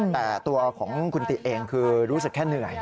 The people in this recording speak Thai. แต่ตัวของคุณติเองคือรู้สึกแค่เหนื่อย